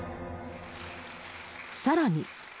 さらに。